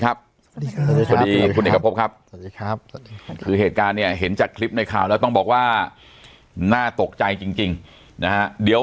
ครับสวัสดีคุณเอกภพครับนะจะเพาะว่าน่าตกใจจริงนะเดี๋ยว